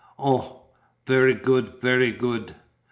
O, very good, very good."